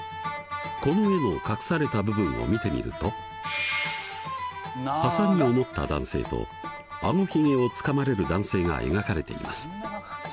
この絵の隠された部分を見てみるとハサミを持った男性と顎ひげをつかまれる男性が描かれています。